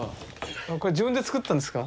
これ自分で作ったんですか？